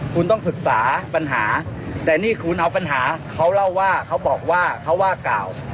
คุณต้องศึกษาปัญหาแต่นี่คุณเอาปัญหาเขาเล่าว่าเขาบอกว่าเขาว่ากล่าว